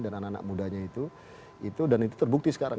dan anak anak mudanya itu dan itu terbukti sekarang